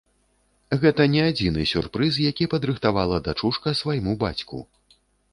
Гэта не адзіны сюрпрыз, які падрыхтавала дачушка свайму бацьку.